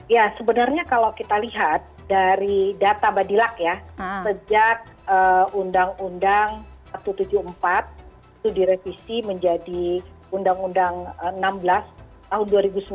ya sebenarnya kalau kita lihat dari data badilak ya sejak undang undang satu ratus tujuh puluh empat itu direvisi menjadi undang undang enam belas tahun dua ribu sembilan